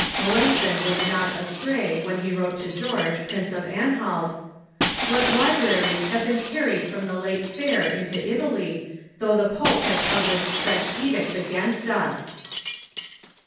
Melanch thon was not astray when he wrote to George, Prince of An halt :" What libraries have been carried from the late fair IX ITALY 269 into Italy, though the pope has 2")ublished frcsli edicts against us